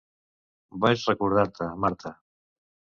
Vaig recordar-te, Marta.